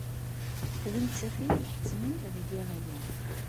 D nettat ay iyi-iḥettmen ad geɣ aya.